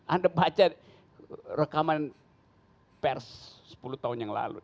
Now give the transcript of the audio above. anda baca rekaman pers sepuluh tahun yang lalu